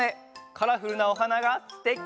カラフルなおはながすてき！